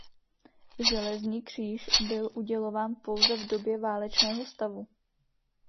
Železný kříž byl udělován pouze v době válečného stavu.